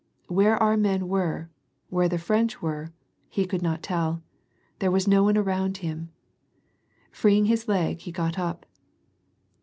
Where our men were, where the French were, he could not tell. There was no one around him. ^ Freeing his leg, he got up.